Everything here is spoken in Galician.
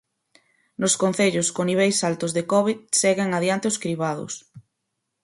Nos concellos con niveis altos de covid seguen adiante os cribados.